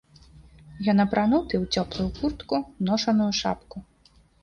Ён апрануты ў цёплую куртку, ношаную шапку.